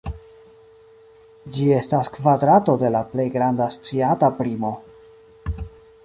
Ĝi estas kvadrato de la plej granda sciata primo.